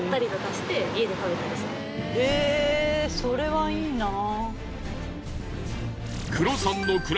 へえそれはいいなぁ。